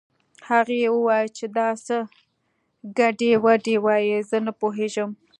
هغې وويل چې دا څه ګډې وډې وايې زه نه پوهېږم